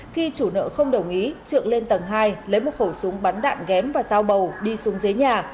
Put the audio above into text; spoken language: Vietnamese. khi chủ nợ không đồng ý trượng lên tầng hai lấy một khẩu súng bắn đạn ghém và dao bầu đi xuống dưới nhà